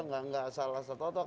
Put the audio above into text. nggak salah tertotok